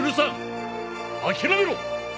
諦めろ！